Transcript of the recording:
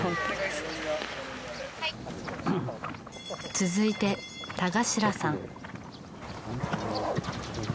続いて田頭さん。